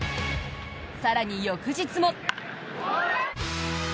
更に翌日も。